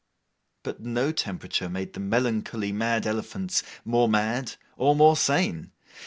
But no temperature made the melancholy mad elephants more mad or more sane.